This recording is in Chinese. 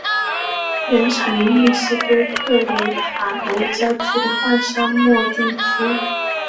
原产于墨西哥克雷塔罗郊区的半沙漠地区。